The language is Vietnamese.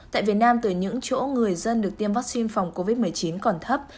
tại việt nam từ những chỗ người dân được tiêm vaccine phòng covid một mươi chín còn thấp